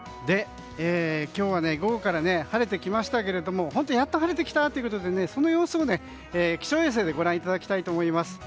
今日は午後から晴れてきましたけども本当にやっと晴れてきたなということでその様子を気象衛星でご覧いただきたいと思います。